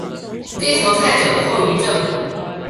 低頭太久的後遺症